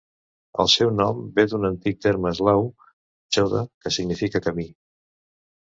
El seu nom ve d'un antic terme eslau "choda", que significa camí.